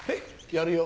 やるよ。